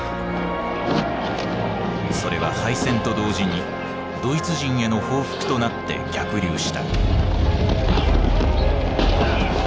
それは敗戦と同時にドイツ人への報復となって逆流した。